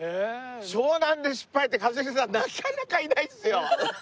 湘南で失敗って一茂さんなかなかいないっすよ。